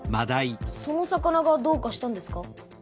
その魚がどうかしたんですか？